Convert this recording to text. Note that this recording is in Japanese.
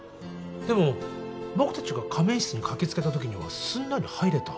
でも僕たちが仮眠室に駆け付けたときにはすんなり入れた。